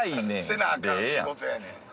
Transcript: せなあかん仕事やねん。